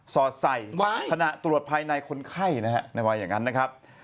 สอนใส่คณะตรวจภายในคนไข้นะครับ